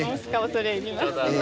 恐れ入ります。